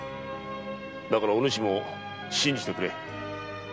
だからお主も信じてくれ。